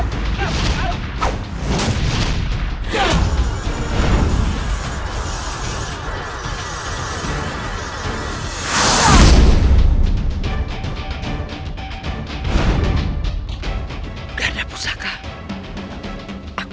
aku harus menghadapi dengan pedangku